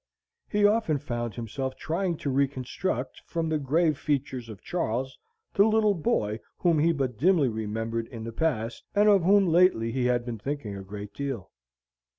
He often found himself trying to reconstruct, from the grave features of Charles, the little boy whom he but dimly remembered in the past, and of whom lately he had been thinking a great deal.